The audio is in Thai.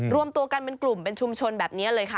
รวมตัวกันเป็นกลุ่มเป็นชุมชนแบบนี้เลยค่ะ